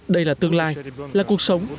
đây là tương lai là cuộc sống